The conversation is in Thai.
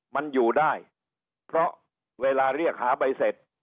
มันอยู่ได้เพราะเวลาเรียกหาใบเสร็จ